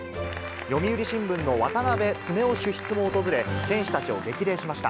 読売新聞の渡辺恒雄主筆も訪れ、選手たちを激励しました。